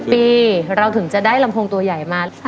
ปีเราถึงจะได้ลำโพงตัวใหญ่มา